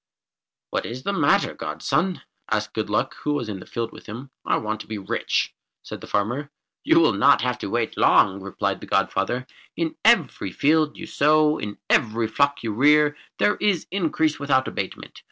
"What is the matter, Godson?" asked Good Luck, who was with him in the field. "I want to be rich," said the farmer. "You will not have to wait long," replied the godfather. "In every field you sow, in every flock you rear there is increase without abatement.